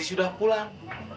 siti sudah pulang